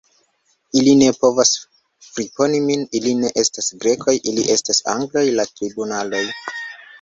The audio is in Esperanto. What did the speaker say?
Ili ne povas friponi min; ili ne estas Grekoj, ili estas Angloj; la tribunaloj.